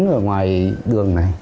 ở ngoài đường này